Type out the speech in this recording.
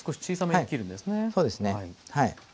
はいそうですねはい。